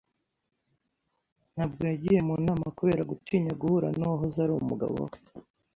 Ntabwo yagiye mu nama kubera gutinya guhura n'uwahoze ari umugabo we.